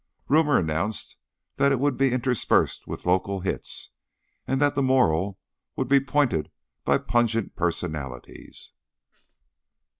Rumour announced that it would be interspersed with local hits, and that the moral would be pointed by pungent personalities.